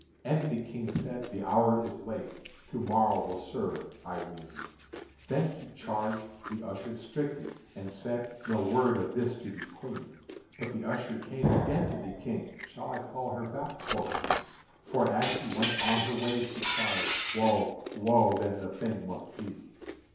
And the King said: "The hour is late; To morrow will serve, I ween." Then he charged the usher strictly, and said: "No word of this to the Queen." But the usher came again to the King. "Shall I call her back?" quoth he: "For as she went on her way, she cried, 'Woe! Woe! then the thing must be!'"